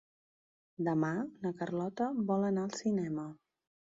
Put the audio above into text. Demà na Carlota vol anar al cinema.